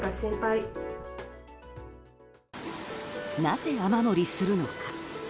なぜ、雨漏りするのか。